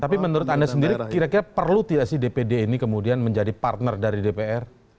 tapi menurut anda sendiri kira kira perlu tidak sih dpd ini kemudian menjadi partner dari dpr